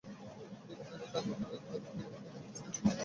তিনি তার এ কাজের জন্যে তাদের থেকে কোন বিনিময় বা পারিশ্রমিক কামনা করেননি।